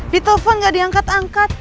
ditelfon gak diangkat angkat